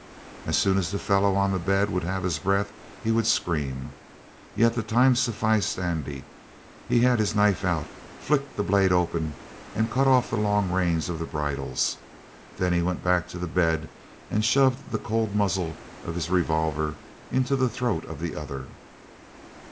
As soon as the fellow on the bed would have his breath he would scream. Yet the time sufficed Andy; he had his knife out, flicked the blade open, and cut off the long reins of the bridles. Then he went back to the bed and shoved the cold muzzle of his revolver into the throat of the other.